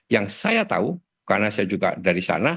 yang saya tahu karena saya juga dari sana